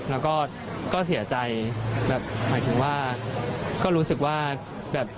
แล้วก็ก็เสียใจแบบหมายถึงว่าก็รู้สึกว่าแบบ